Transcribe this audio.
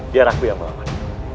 biar aku yang melawan